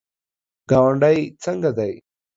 ګاونډی څنګه دی؟